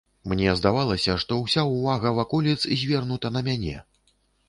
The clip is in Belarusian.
Мне здавалася, што ўся ўвага ваколіц звернута на мяне.